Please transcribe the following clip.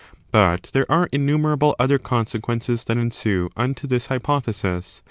But there are innumerable other consequences that ensue xmto this hypothesis.